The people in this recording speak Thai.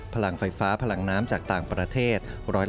พลังไฟฟ้าพลังน้ำจากต่างประเทศ